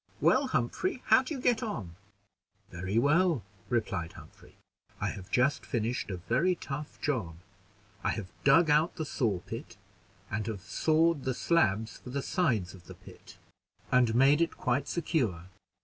"Well, Humphrey how do you get on?" "Very well," replied Humphrey. "I have just finished a very tough job. I have dug out the saw pit, and have sawed the slabs for the sides of the pit, and made it quite secure.